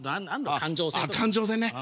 感情線ね。